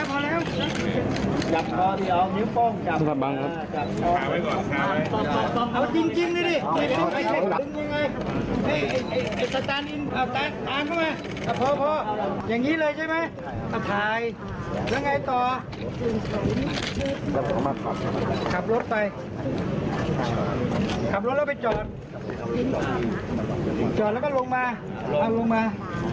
ขับรถไปขับรถแล้วไปจอดแล้วก็ลงมาเอาลงมา